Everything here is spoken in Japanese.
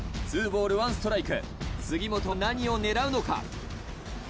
２ボール１ストライク杉本は何を狙うのか。